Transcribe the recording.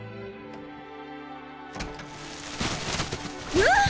うわっ！